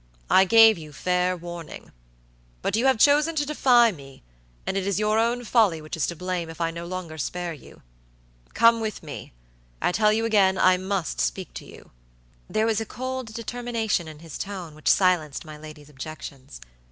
I gave you fair warning. But you have chosen to defy me, and it is your own folly which is to blame if I no longer spare you. Come with me. I tell you again I must speak to you." There was a cold determination in his tone which silenced my lady's objections.